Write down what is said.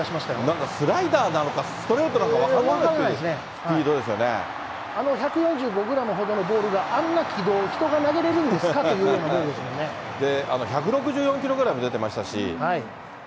なんかスライダーなのかストレートなのか分からなくなってくあの１４５グラムほどのボールが、あんな軌道を、人が投げれるんですかというようなボールで１６４キロぐらいも出てましたし。